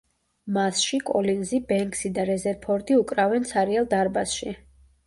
მასში, კოლინზი, ბენქსი და რეზერფორდი უკრავენ ცარიელ დარბაზში.